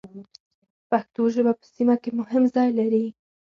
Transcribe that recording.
پښتو ژبه په سیمه کې مهم ځای لري.